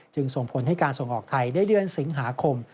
จึงส่งผลให้การส่งออกไทยได้เรื่องสิงหาคม